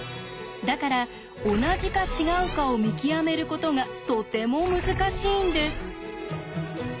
だから同じか違うかを見極めることがとても難しいんです。